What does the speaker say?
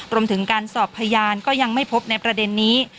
รวมถึงการสอบพยานก็ยังไม่พบในประเด็นนี้